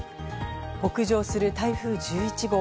北上する台風１１号。